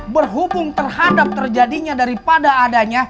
berhubung terhadap terjadinya daripada adanya